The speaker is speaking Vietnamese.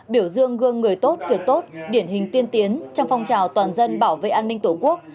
biểu dương gương người tốt việc tốt điển hình tiên tiến trong phong trào toàn dân bảo vệ an ninh tổ quốc